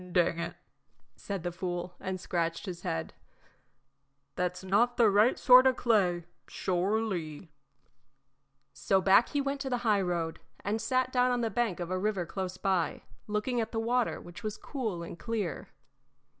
"Dang it!" said the fool, and scratched his head, "that's not the right sort o' clay sure ly." So back he went to the highroad and sat down on the bank of the river close by, looking at the water, which was cool and clear.